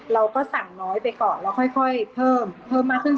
เราก็สั่งน้อยไปก่อนแล้วค่อยเพิ่มเพิ่มมากขึ้น